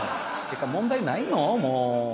結果問題ないの⁉もーう。